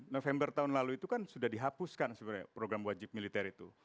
november tahun lalu itu kan sudah dihapuskan sebenarnya program wajib militer itu